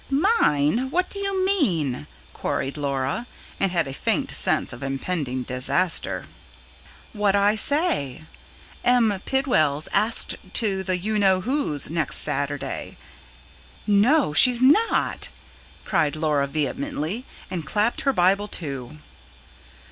"Mine? What do you mean?" queried Laura, and had a faint sense of impending disaster. "What I say. M. Pidwall's asked to the you know who's next Saturday." "No, she's not!" cried Laura vehemently, and clapped her Bible to.